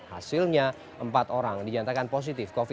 hasilnya empat orang dinyatakan positif covid sembilan belas